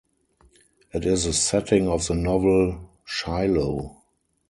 It is the setting of the novel "Shiloh".